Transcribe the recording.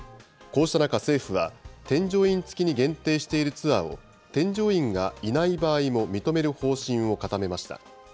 こうした中、政府は添乗員付きに限定しているツアーを、添乗員がいない場合も認める方針を固めました。